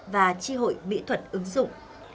và tri hội mỹ thuật ứng dụng